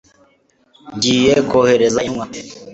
ngiye kohereza intumwa